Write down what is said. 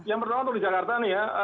yang pertama untuk di jakarta nih ya